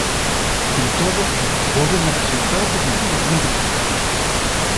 Con todo volven a rexeitalo por motivos médicos.